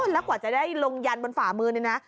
แล้วกว่าจะได้ลงยันบนฝ่ามือนี่นะ